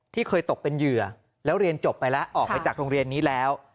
เคยตกเป็นเหยื่อแล้วเรียนจบไปแล้วออกไปจากโรงเรียนนี้แล้ว